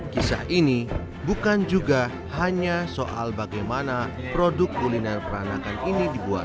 kisah ini bukan juga hanya soal bagaimana produk kuliner peranakan ini dibuat